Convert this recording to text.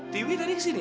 tiwi tadi kesini